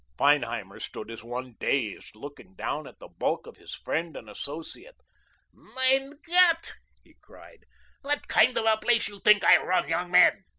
Feinheimer stood as one dazed, looking down at the bulk of his friend and associate. "Mein Gott!" he cried. "What kind of a place you think I run, young man?"